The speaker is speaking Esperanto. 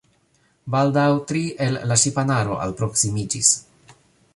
Baldaŭ tri el la ŝipanaro alproksimiĝis.